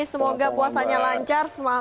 semoga puasanya lancar